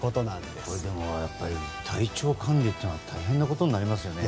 でも体調管理っていうのは大変なことになりますよね。